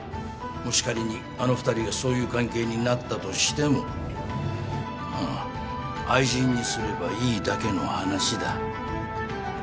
もし仮にあの２人がそういう関係になったとしても愛人にすればいいだけの話だ。